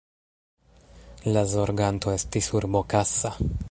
La zorganto estis urbo Kassa.